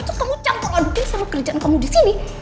terus kamu campur adukin semua kerjaan kamu disini